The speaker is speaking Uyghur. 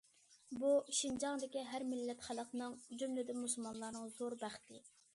بۇ، شىنجاڭدىكى ھەر مىللەت خەلقنىڭ، جۈملىدىن مۇسۇلمانلارنىڭ زور بەختى.